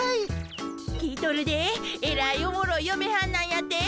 聞いとるでえらいおもろいよめはんなんやて？